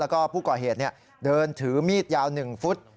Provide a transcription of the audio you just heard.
แล้วก็ผู้ก่อเหตุเดินถือมีดยาว๑ฟุต